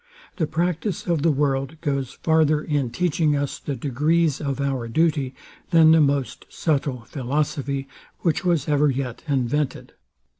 The practice of the world goes farther in teaching us the degrees of our duty, than the most subtile philosophy, which was ever yet invented.